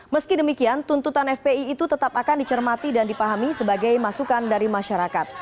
meski demikian tuntutan fpi itu tetap akan dicermati dan dipahami sebagai masukan dari masyarakat